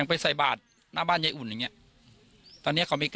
ลุงพลบอกว่ามันก็เป็นการทำความเข้าใจกันมากกว่าเดี๋ยวลองฟังดูค่ะ